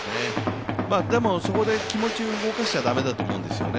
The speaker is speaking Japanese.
でも、そこで気持ちを動かしちゃだめだと思うんですよね。